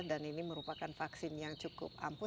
ini merupakan vaksin yang cukup ampuh